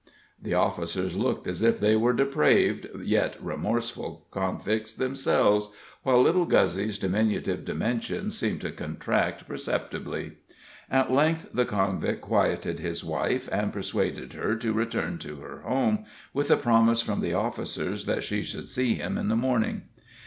The officers looked as if they were depraved yet remorseful convicts themselves, while little Guzzy's diminutive dimensions seemed to contract perceptibly. At length the convict quieted his wife, and persuaded her to return to her home, with a promise from the officers that she should see him in the morning.